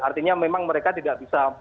artinya memang mereka tidak bisa